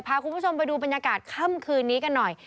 พาคุณผู้ชมไปดูบรรยากาศค่ำคืนนี้กันหน่อย